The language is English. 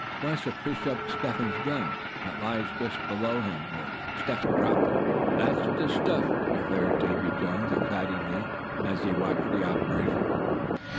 "He wants to fish up Step Hen's gun, that lies just below him, where Step Hen dropped it." "That's the stuff!" declared Davy Jones, excitedly, as he watched the operation.